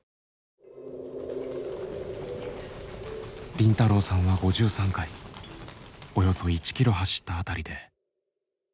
凜太郎さんは５３回およそ１キロ走った辺りで倒れました。